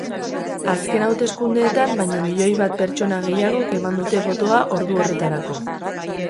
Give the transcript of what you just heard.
Azken hauteskundeetan baino milioi bat pertsona gehiagok eman dute botoa ordu horretarako.